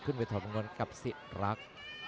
ขึ้นไปถอดมงกลกับศิษย์รัก